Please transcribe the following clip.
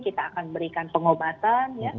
kita akan berikan pengobatan